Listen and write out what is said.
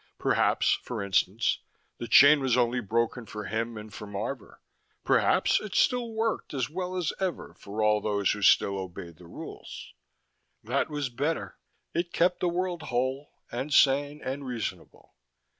Perhaps (for instance) the chain was only broken for him and for Marvor: perhaps it still worked as well as ever for all those who still obeyed the rules. That was better: it kept the world whole, and sane, and reasonable.